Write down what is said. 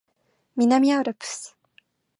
南アルプス